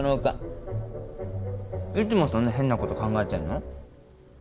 いつもそんな変なこと考えてんの？